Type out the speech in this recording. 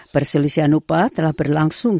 perselisian upah telah berlangsung